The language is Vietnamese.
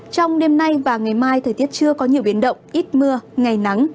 trong đêm nay và ngày mai thời tiết chưa có nhiều biến động ít mưa ngày nắng